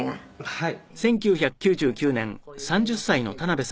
はい。